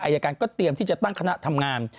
อายการก็เตรียมที่จะตั้งคณะทำงาน